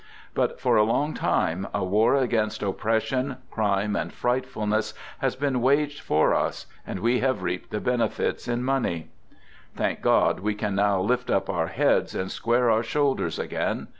But for a long time a war against oppression, crime, and frightfulness has been waged for us, and we have reaped the " benefits " in money. Thank God we can now lift up our heads and square our shoulders again!